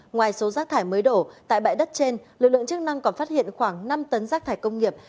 ngoài số rác thải mới đổ tại bãi đất trên lực lượng chức năng còn phát hiện khoảng năm tấn rác thải công nghiệp